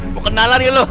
mau kenalan ya lo